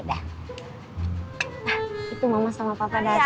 nah itu mama sama papa dateng